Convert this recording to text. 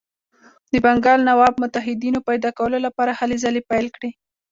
د بنګال نواب متحدینو پیدا کولو لپاره هلې ځلې پیل کړې.